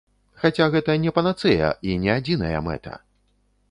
Хаця гэта не панацэя і не адзіная мэта.